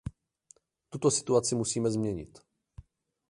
Tuto situaci musíme změnit.